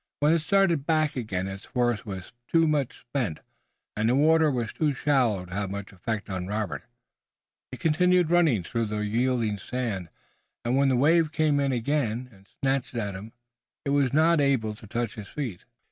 When it started back again its force was too much spent and the water was too shallow to have much effect on Robert. He continued running through the yielding sand, and, when the wave came in again and snatched at him, it was not able to touch his feet.